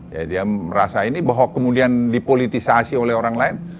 ya dia merasa ini bahwa kemudian dipolitisasi oleh orang lain